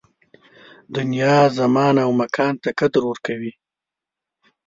دنیا زمان او مکان ته قدر ورکوي